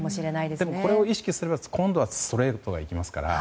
これを意識すれば今度はストレートが生きますから。